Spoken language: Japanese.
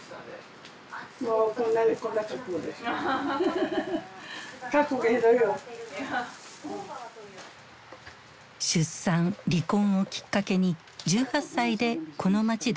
出産離婚をきっかけに１８歳でこの街でホステスを始めた。